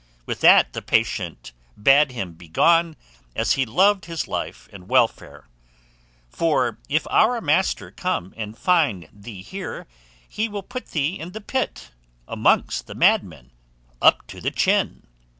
With that the patient bade him begone, as he loved his life and welfare; "for if our master come and find thee here, he will put thee in the pit, amongst the madmen, up to the chin."